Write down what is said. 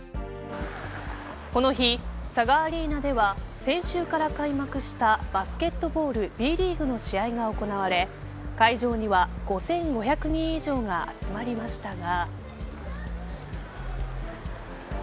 この日、ＳＡＧＡアリーナでは先週から開幕したバスケットボールＢリーグの試合が行われ会場には５５００人以上が集まりましたが。